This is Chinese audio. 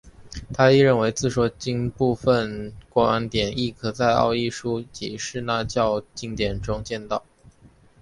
他亦认为自说经部份观点亦可在奥义书及耆那教经典中见到。